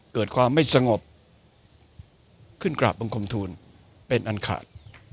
เกิดความไม่สงบขึ้นกราบบังคมทูลเป็นอันขาด